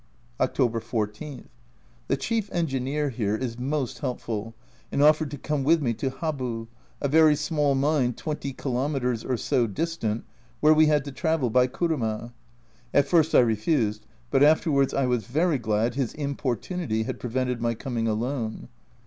October 14. The Chief Engineer here is most helpful, and offered to come with me to Habu, a very small mine 20 kilometres or so distant, where we had to travel by kuruma. At first I refused, but afterwards I was very glad his importunity had prevented my coming alone.